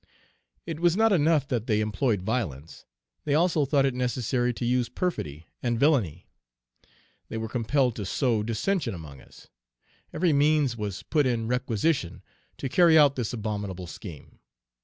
"It was not enough that they employed violence; they also thought it necessary to use perfidy and villany, they were compelled to sow dissension among us. Every means was put in requisition to carry out this abominable scheme.